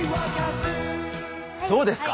どうですか？